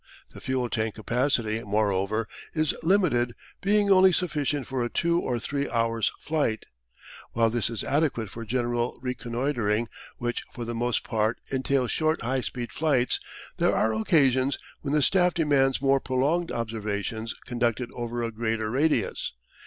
The fuel tank capacity, moreover, is limited, being only sufficient for a two or three hours' flight. While this is adequate for general reconnoitring, which for the most part entails short high speed flights, there are occasions when the Staff demands more prolonged observations conducted over a greater radius.